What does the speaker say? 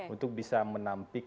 untuk bisa menampik